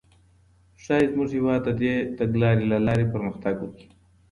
ښايي زموږ هیواد د دې تګلاري له لاري پرمختګ وکړي.